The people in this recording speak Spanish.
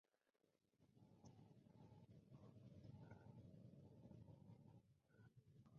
Campo de interrogatorios civiles, cerca de Luneburgo.